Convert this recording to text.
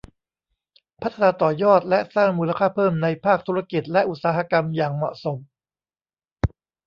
พัฒนาต่อยอดและสร้างมูลค่าเพิ่มในภาคธุรกิจและอุตสาหกรรมอย่างเหมาะสม